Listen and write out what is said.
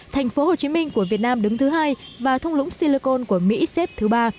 thành phố hồ chí minh của việt nam đứng thứ hai và thung lũng silicon của mỹ xếp thứ ba